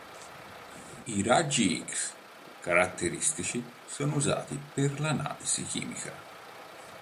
I raggi X caratteristici sono usati per l'analisi chimica.